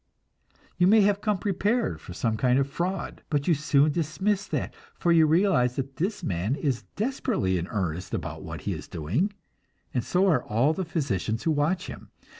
You may have come prepared for some kind of fraud, but you soon dismiss that, for you realize that this man is desperately in earnest about what he is doing, and so are all the physicians who watch him.